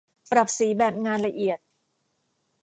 ปรับสีแบบงานละเอียด